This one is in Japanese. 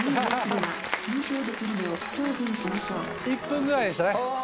１分ぐらいでしたね。